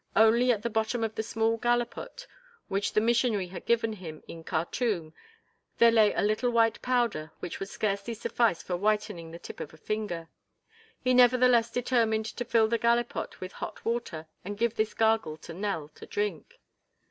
Only at the bottom of the small gallipot which the missionary had given him in Khartûm there lay a little white powder which would scarcely suffice for whitening the tip of a finger. He nevertheless determined to fill the gallipot with hot water and give this gargle to Nell to drink.